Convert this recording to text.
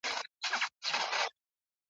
یوې ښځي وه د سر وېښته شکولي `